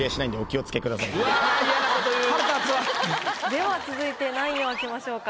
では続いて何位を開けましょうか？